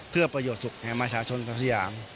เพื่อประโยชน์สุขแห่งมาชาชนกับสยาม